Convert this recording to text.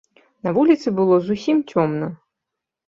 На вуліцы было зусім цёмна.